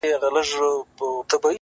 • پخپله ورک یمه چي چیري به دي بیا ووینم,